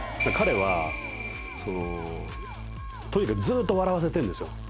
彼はそのとにかくずっと笑わせてんですよ